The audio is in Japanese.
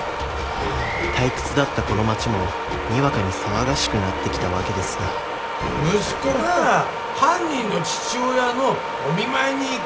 退屈だったこの町もにわかに騒がしくなってきたわけですが息子が犯人の父親のお見舞いに行くなんつったら。